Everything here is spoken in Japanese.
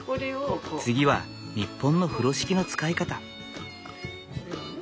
次は日本の風呂敷の使い方。